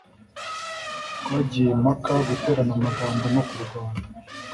twagize impaka, guterana amagambo, no kurwana